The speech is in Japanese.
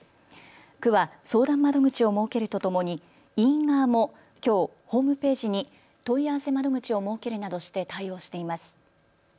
区は相談窓口を設けるとともに医院側もきょうホームページに問い合わせ窓口を設けるなどして対応しています。